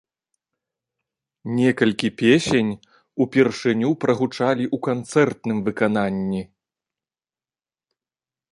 Некалькі песень упершыню прагучалі ў канцэртным выкананні.